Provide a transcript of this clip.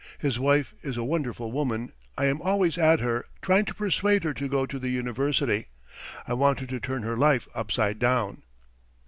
His wife is a wonderful woman; I am always at her, trying to persuade her to go to the university. I want her to turn her life upside down."